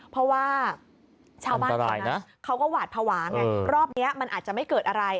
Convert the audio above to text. เพราะว่าชาวบ้านเขาก็หวาดภาวะไงรอบนี้มันอาจจะไม่เกิดอะไร